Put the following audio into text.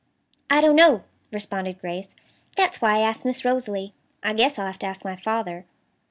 "I don't know," responded Grace. "That's why I asked Miss Rosalie. I guess I'll have to ask my father."